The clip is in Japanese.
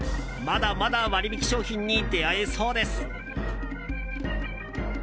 まだまだ割引商品に出会えそうです。